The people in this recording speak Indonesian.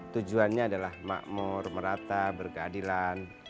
tujuannya adalah makmur merata berkeadilan